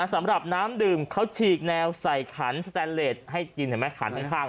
สำหรับน้ำดื่มเขาฉีกแนวใส่ขันสแตนเลสให้กินเห็นไหมขันข้าง